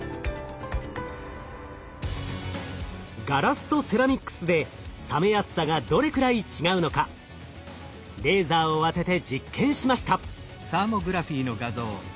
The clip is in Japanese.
ガラスとセラミックスで冷めやすさがどれくらい違うのかレーザーを当てて実験しました。